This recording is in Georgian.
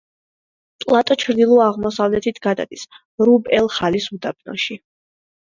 პლატო ჩრდილო-აღმოსავლეთით გადადის რუბ-ელ-ხალის უდაბნოში.